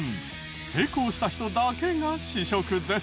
成功した人だけが試食です。